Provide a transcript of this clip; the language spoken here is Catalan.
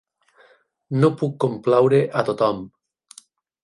No puc complaure a tothom.